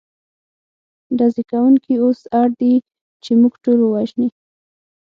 ډزې کوونکي اوس اړ دي، چې موږ ټول ووژني.